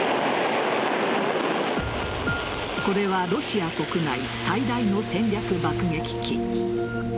これはロシア国内最大の戦略爆撃機。